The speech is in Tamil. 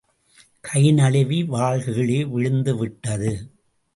கை நழுவி, வாள் கீழே விழுந்து விட்டது.